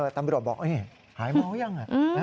ตำรวจบอกหายเมาหรือยัง